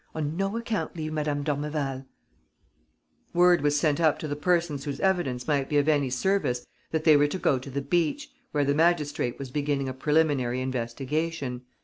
On no account leave Madame d'Ormeval." Word was sent up to the persons whose evidence might be of any service that they were to go to the beach, where the magistrate was beginning a preliminary investigation.